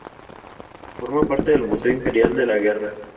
Forma parte del Museo Imperial de la Guerra.